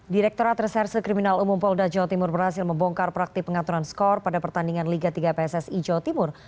direkturat reserse kriminal umum polda jawa timur berhasil membongkar praktik pengaturan skor pada pertandingan liga tiga pssi jawa timur